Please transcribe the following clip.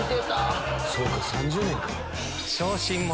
そうか３０年か。